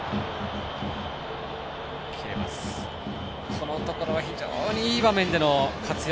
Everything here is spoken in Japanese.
このところは非常にいい場面での活躍